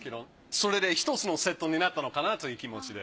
それで１つのセットになったのかなという気持ちで。